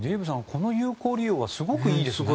この有効利用はすごくいいですね。